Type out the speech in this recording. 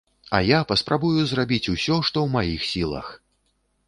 А я паспрабую зрабіць усё, што ў маіх сілах!